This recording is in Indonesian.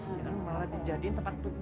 enggak enggak enggak